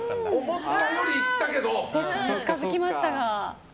思ったよりいったけどね。